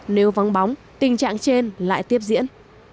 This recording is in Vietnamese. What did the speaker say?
nếu vắng bóng tình trạng trên lại tiếp diễn